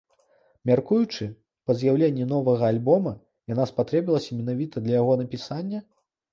Мяркуючы па з'яўленні новага альбома, яна спатрэбілася менавіта для яго напісання?